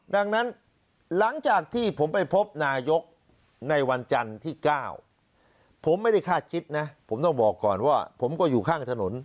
ดังนั้นหลังจากที่ผมไปพบนายกในวันจันทร์ที่๙ผมไม่ได้คาดคิดนะผมต้องบอกก่อนว่าผมก็อยู่ข้างถนน